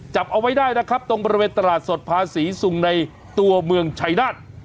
จับเอาไว้ได้นะครับตรงบริเวณตลาดสดภาษีซุงในตัวเมืองชัยนาฏ